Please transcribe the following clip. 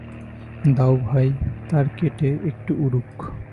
দাও ভাই, তার কেটে, একবার উড়ুক।